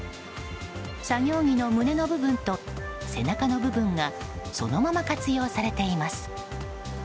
作業着の胸の部分と背中の部分がそのまま活用されています。